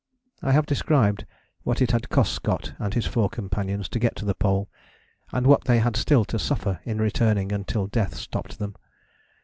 I have described what it had cost Scott and his four companions to get to the Pole, and what they had still to suffer in returning until death stopped them.